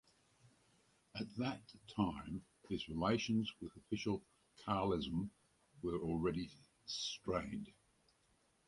At that time his relations with official Carlism were already strained.